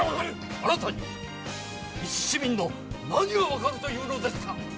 あなたに、いち市民の何がわかるというのですか！